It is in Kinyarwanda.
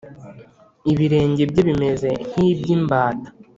ibirenge bye bimeze nk’ iby’ imbata